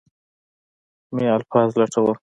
مې الفاظ لټول.